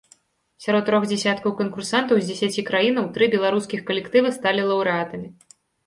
Сярод трох дзесяткаў канкурсантаў з дзесяці краінаў тры беларускіх калектывы сталі лаўрэатамі.